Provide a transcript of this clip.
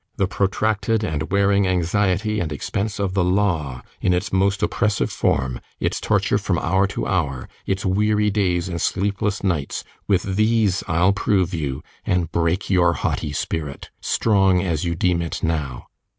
The protracted and wearing anxiety and expense of the law in its most oppressive form, its torture from hour to hour, its weary days and sleepless nights, with these I'll prove you, and break your haughty spirit, strong as you deem it now.